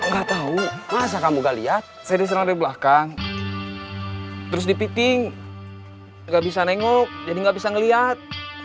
gak tahu masa kamu gak lihat saya diserang dari belakang terus dipiting gak bisa nengok jadi gak bisa ngeliat